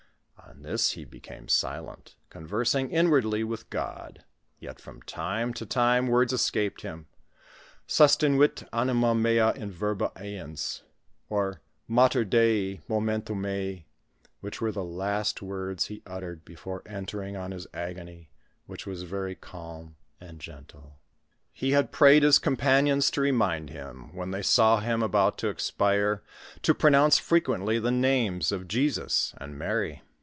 On this he became silent, conversing inwardly with God ; yet from time to time words escaped him :" Sustinuit anima mea in verba ejus," or " Mater Dei, memento mei," which were the last words he uttered before entering on his agony, which was very calm and gentle. He had prayed his companions to remind him, when they gaw him about to expire, to pronounce frequently the names of Jesus and Mary.